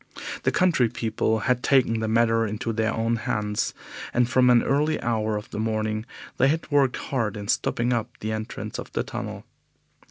The country people had taken the matter into their own hands, and from an early hour of the morning they had worked hard in stopping up the entrance of the tunnel.